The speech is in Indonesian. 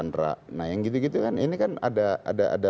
nah yang gitu gitu kan ini kan ada